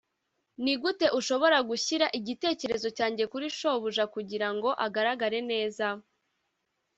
nigute ushobora gushira igitekerezo cyanjye kuri shobuja kugirango agaragare neza?